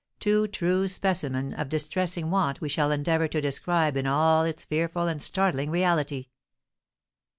too true specimen of distressing want we shall endeavour to describe in all its fearful and startling reality.